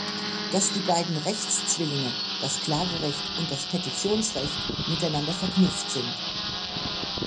Dass die beiden Rechtszwillinge, das Klagerecht und das Petitionsrecht, miteinander verknüpft sind.